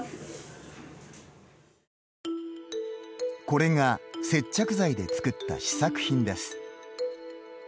これが接着剤で作った試作品です。